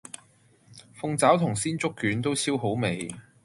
鳳爪同鮮竹卷都超好味